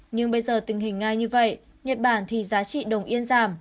nhưng bây giờ tình hình nga như vậy nhật bản thì giá trị đồng yên giảm